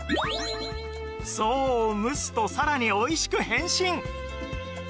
そう蒸すとさらにおいしく変身